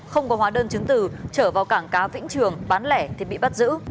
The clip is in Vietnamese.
không có hóa đơn chứng từ trở vào cảng cá vĩnh trường bán lẻ thì bị bắt giữ